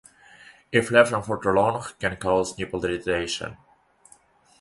If left on for too long can cause nipple irritation.